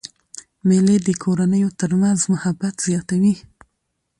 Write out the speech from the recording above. مېلې د کورنیو تر منځ محبت زیاتوي.